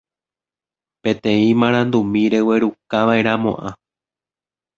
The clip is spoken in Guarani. peteĩ marandumi reguerukava'erãmo'ã